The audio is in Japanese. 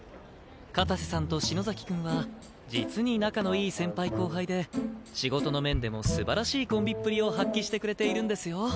片瀬さんと篠崎くんは実に仲のいい先輩後輩で仕事の面でも素晴らしいコンビっぷりを発揮してくれているんですよ。